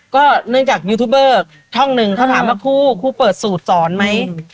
ก็เนื่องจากยูทูบเบอร์ช่องหนึ่งเขาถามว่าคู่คู่เปิดสูตรสอนไหม